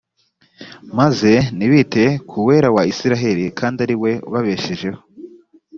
maze ntibite ku uwera wa isirayeli kandi ariwe ubabeshejeho